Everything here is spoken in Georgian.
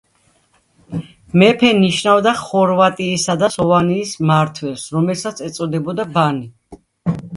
მეფე ნიშნავდა ხორვატიისა და სლავონიის მმართველს რომელსაც ეწოდებოდა ბანი.